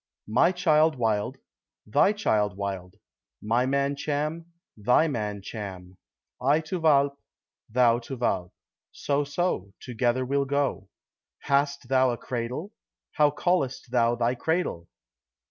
"My child Wild, thy child Wild; my man Cham, thy man Cham; I to Walpe, thou to Walpe, so, so, together we'll go." "Hast thou a cradle? How callest thou thy cradle?"